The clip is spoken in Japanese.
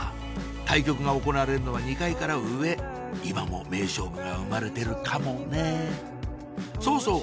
対局が行われるのは２階から上今も名勝負が生まれてるかもねそうそう！